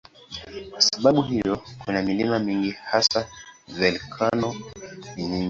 Kwa sababu hiyo kuna milima mingi, hasa volkeno ni nyingi.